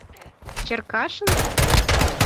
Черкашин?